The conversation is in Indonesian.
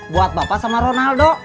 buat bapak sama ronaldo